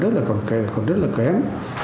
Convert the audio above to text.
rất là khỏe còn rất là kém